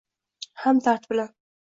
Ham dard bilan